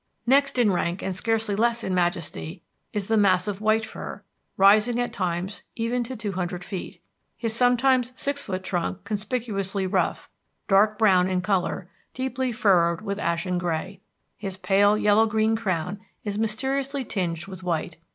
Next in rank and scarcely less in majesty is the massive white fir, rising at times even to two hundred feet, his sometimes six foot trunk conspicuously rough, dark brown in color, deeply furrowed with ashen gray. His pale yellow green crown is mysteriously tinged with white.